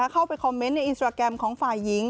เข้าไปคอมเมนต์ในอินสตราแกรมของฝ่ายหญิง